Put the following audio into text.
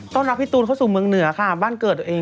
รับพี่ตูนเข้าสู่เมืองเหนือค่ะบ้านเกิดตัวเอง